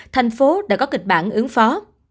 thành phố đã có kịch bản ứng phó